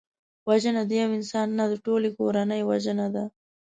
وژنه د یو انسان نه، د ټولي کورنۍ وژنه ده